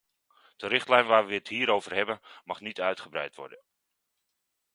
De richtlijn waarover we het hier hebben, mag niet uitgebreid worden.